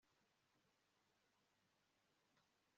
duhangayikishijwe cyane n'ejo hazaza h'iki gihugu